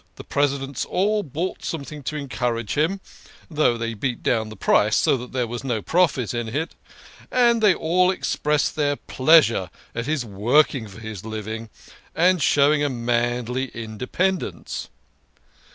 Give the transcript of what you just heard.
The presidents all bought something to encour age him (though they beat down the price so that there was no profit in it), and they all expressed their pleasure at his working for his living, and showing a manly indepen dence.